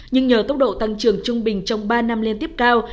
nhưng nhờ tốc độ tăng trưởng trung bình trong ba năm liên tiếp cao